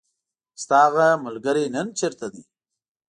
ستاهغه ملګری نن چیرته ده .